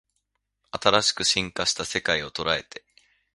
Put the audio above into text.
新しく進化した世界捉えて